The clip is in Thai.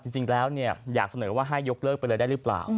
จริงแล้วอยากเสนอว่าให้ยกเลิกไปเลยได้หรือเปล่า